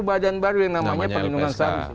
badan baru yang namanya lpsk